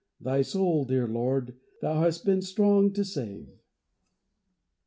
Thy soul, dear Lord, Thou hast been strong to save!